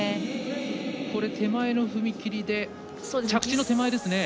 手前の踏み切りで着地の手前ですね。